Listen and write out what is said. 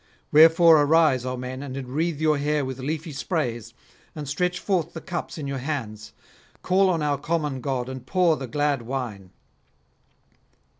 Wherefore arise, O men, and enwreathe your hair with leafy sprays, and stretch forth the cups in your hands; call on our common god and pour the glad wine.'